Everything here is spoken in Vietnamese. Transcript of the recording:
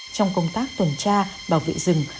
trong công tác tuần tra bảo vệ rừng